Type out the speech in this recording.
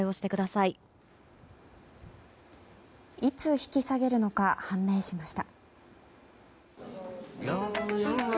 いつ引き下げるのか判明しました。